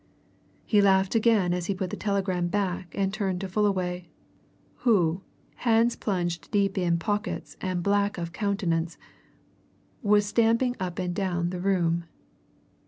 He laughed again as he put the telegram back and turned to Fullaway, who, hands plunged deep in pockets and black of countenance, was stamping up and down the room.